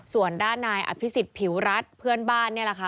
ส่วนด้านนายอภิษฎผิวรัฐเพื่อนบ้านนี่แหละค่ะ